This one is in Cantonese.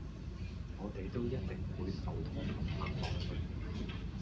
我地都一定會手拖手行落去